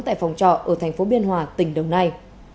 tại phòng trọ ở thành phố biên hòa tỉnh đồng nai